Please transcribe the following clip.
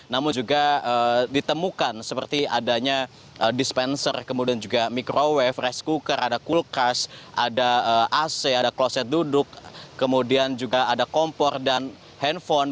namun juga ditemukan seperti adanya dispenser kemudian juga microwave rice cooker ada kulkas ada ac ada kloset duduk kemudian juga ada kompor dan handphone